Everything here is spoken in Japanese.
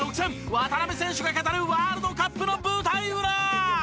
渡邊選手が語るワールドカップの舞台裏！